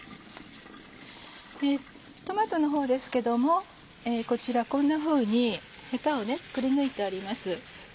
トマトのほうですけどもこちらこんなふうにヘタをくりぬいてあります。